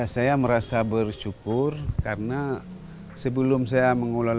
saya merasa bersyukur karena sebelum saya mengulang